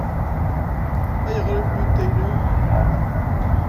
Ayɣer i wwint ayla-w?